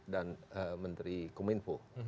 dan menteri kominfo